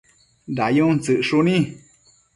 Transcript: dayun tsëcshuni